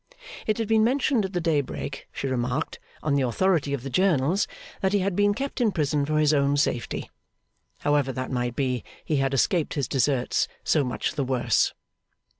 It had been mentioned at the Daybreak, she remarked, on the authority of the journals, that he had been kept in prison for his own safety. However that might be, he had escaped his deserts; so much the worse.